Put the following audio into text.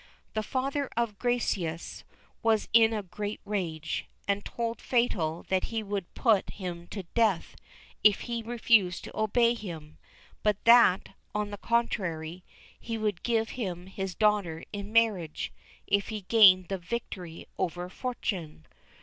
The father of Gracieuse was in a great rage, and told Fatal that he would put him to death if he refused to obey him; but that, on the contrary, he would give him his daughter in marriage if he gained the victory over Fortuné.